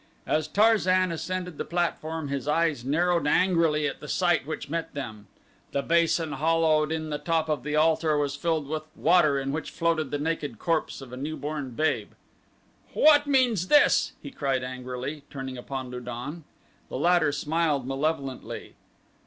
As Tarzan ascended the platform his eyes narrowed angrily at the sight which met them. The basin hollowed in the top of the altar was filled with water in which floated the naked corpse of a new born babe. "What means this?" he cried angrily, turning upon Lu don. The latter smiled malevolently.